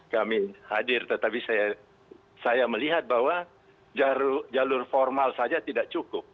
kami hadir tetapi saya melihat bahwa jalur formal saja tidak cukup